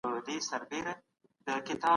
رسول الله د خپلو ميرمنو سره لوبي هم کولې